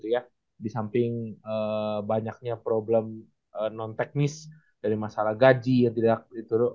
yang bisa kita jawab